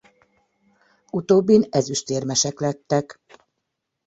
Utóbbin ezüstérmesek lettek.